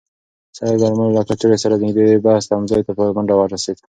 سړی د درملو له کڅوړې سره د نږدې بس تمځای ته په منډه ورسېد.